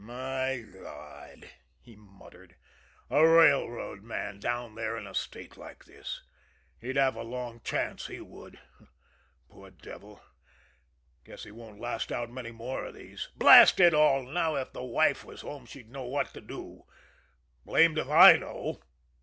"My God," he muttered, "a railroad man down there in a state like this he'd have a long chance, he would! Poor devil, guess he won't last out many more of these. Blast it all, now if the wife was home she'd know what to do blamed if I know!"